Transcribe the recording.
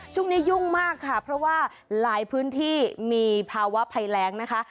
ยุ่งมากค่ะเพราะว่าหลายพื้นที่มีภาวะภัยแรงนะคะ